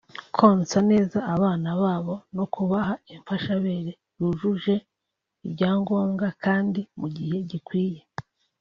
konsa neza abana babo no kubaha imfashabere yujuje ibyangombwa kandi mu gihe gikwiye